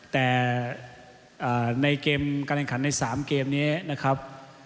แต่ในเกมการแข่งขันใน๓เกมนี้นะครับ